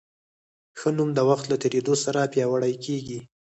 ښه نوم د وخت له تېرېدو سره پیاوړی کېږي.